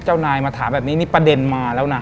เจ้านายมาถามแบบนี้นี่ประเด็นมาแล้วนะ